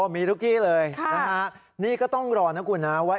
มีทุกที่เลยนะฮะนี่ก็ต้องรอนะคุณนะว่า